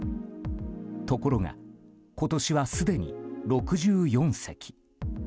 ところが、今年はすでに６４隻。